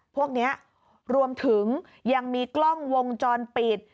พวกนี้รวมถึงยังมีกล้องวงจรปิด